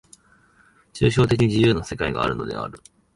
抽象的自由の世界があるのである。